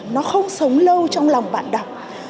nó không sống lâu trong lòng bạn đọc